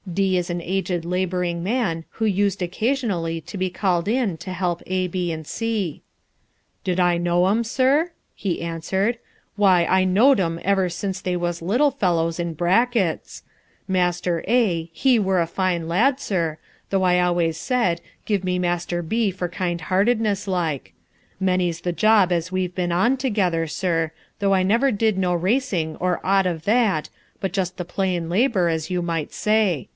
D is an aged labouring man who used occasionally to be called in to help A, B, and C. "Did I know 'em, sir?" he answered, "why, I knowed 'em ever since they was little fellows in brackets. Master A, he were a fine lad, sir, though I always said, give me Master B for kind heartedness like. Many's the job as we've been on together, sir, though I never did no racing nor aught of that, but just the plain labour, as you might say.